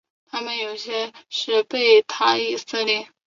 他们有些是贝塔以色列。